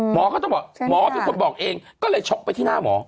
หมอก็ต้องบอกหมอเป็นคนบอกเองก็เลยช็อกไปที่หน้าหมอ